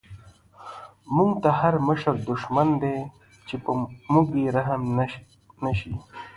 موږ ته هر مشر دشمن دی، چی په موږ یې رحم نه شی